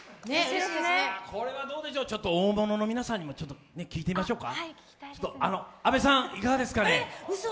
これはちょっと大物の皆さんにも聞いてみましょうか。